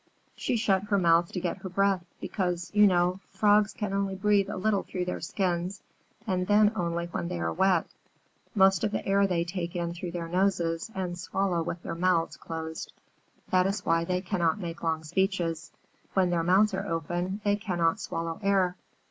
She shut her mouth to get her breath, because, you know, Frogs can only breathe a little through their skins, and then only when they are wet. Most of their air they take in through their noses and swallow with their mouths closed. That is why they cannot make long speeches. When their mouths are open they cannot swallow air.